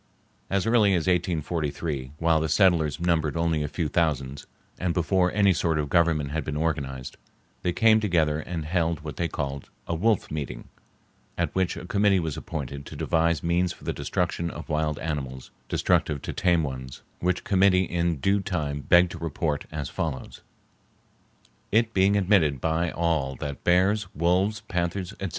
As early as 1843, while the settlers numbered only a few thousands, and before any sort of government had been organized, they came together and held what they called "a wolf meeting," at which a committee was appointed to devise means for the destruction of wild animals destructive to tame ones, which committee in due time begged to report as follows:— It being admitted by all that bears, wolves, panthers, etc.